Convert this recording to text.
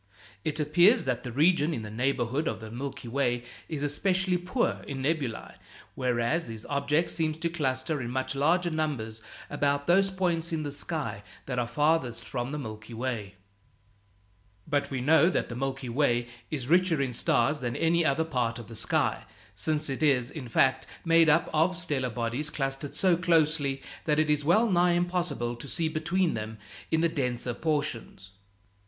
It appears that the region in the neighborhood of the Milky Way is especially poor in nebulæ, whereas these objects seem to cluster in much larger numbers about those points in the sky that are farthest from the Milky Way. But we know that the Milky Way is richer in stars than any other part of the sky, since it is, in fact, made up of stellar bodies clustered so closely that it is wellnigh impossible to see between them in the denser portions.